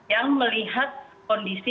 yang melihat kondisi konteks dan dinamikasi